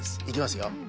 いきますよ。